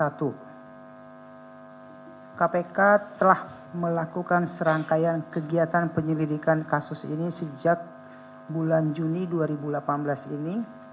kpk telah melakukan serangkaian kegiatan penyelidikan kasus ini sejak bulan juni dua ribu delapan belas ini